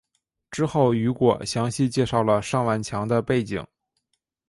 之后雨果详细介绍了尚万强的背景。